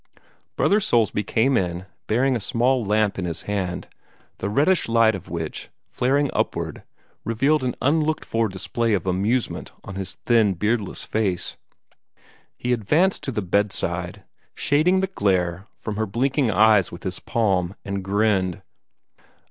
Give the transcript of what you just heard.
Brother Soulsby came in, bearing a small lamp in his hand, the reddish light of which, flaring upward, revealed an unlooked for display of amusement on his thin, beardless face. He advanced to the bedside, shading the glare from her blinking eyes with his palm, and grinned.